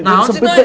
nah on sih doi